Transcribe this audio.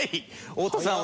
太田さん